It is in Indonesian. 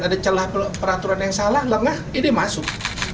ada celah peraturan yang salah lengah ini masuk